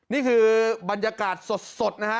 นี่คือบรรยากาศสดนะฮะ